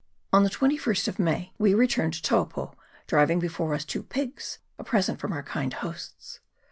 On the 21st of May we returned to Taupo, driv ing before us two pigs, a present from our kind hosts.